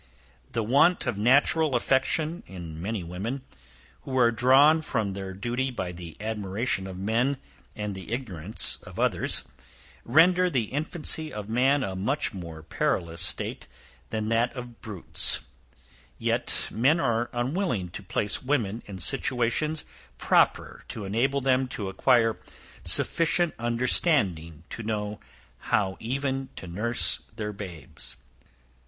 The want of natural affection in many women, who are drawn from their duty by the admiration of men, and the ignorance of others, render the infancy of man a much more perilous state than that of brutes; yet men are unwilling to place women in situations proper to enable them to acquire sufficient understanding to know how even to nurse their babes.